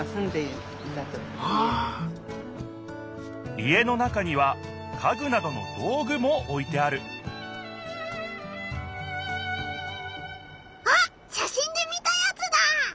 家の中には家具などの道具もおいてあるあっしゃしんで見たやつだ！